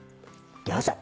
どうぞ。